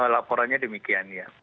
laporannya demikian ya